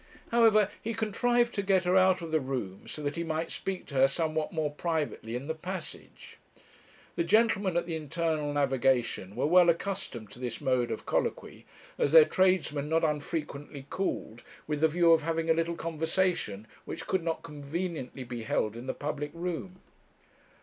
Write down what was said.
However, he contrived to get her out of the room, so that he might speak to her somewhat more privately in the passage. The gentlemen at the Internal Navigation were well accustomed to this mode of colloquy, as their tradesmen not unfrequently called, with the view of having a little conversation, which could not conveniently be held in the public room.